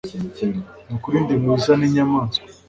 Nukuri ndi mwiza ninyamaswa